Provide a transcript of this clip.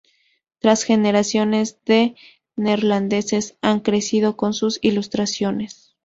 Tres generaciones de neerlandeses han crecido con sus ilustraciones.